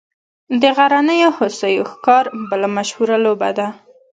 د غرنیو هوسیو ښکار بله مشهوره لوبه ده